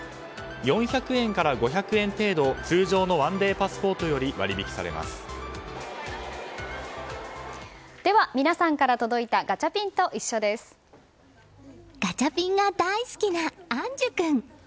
４００円から５００店程度通常のワンデーパスポートより皆さんから届いたガチャピンが大好きな安珠君。